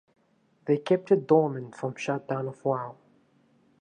They kept it dormant from shutdown of Wow!